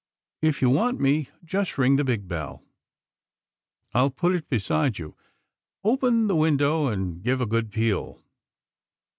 If you want me, just ring the big bell. I'll put it beside you — open the window and give a good peal.